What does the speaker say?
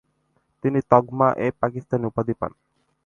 তিনি তঘমা-এ-পাকিস্তান উপাধি পান।